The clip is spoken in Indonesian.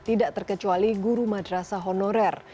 tidak terkecuali guru madrasah honorer